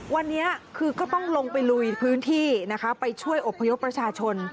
วันนี้คือก็ต้องลงไปลุยพื้นที่นะคะไปช่วยอบพยพประชาชน